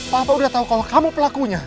papa udah tahu kalau kamu pelakunya